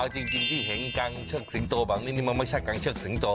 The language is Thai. จริงที่เห็นกลางเชิกสิงโตแบบนี้นี่มันไม่ใช่กลางเชิกสิงโต